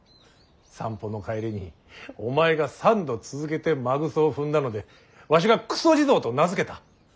散歩の帰りにお前が３度続けて馬糞を踏んだのでわしがくそ地蔵と名付けた。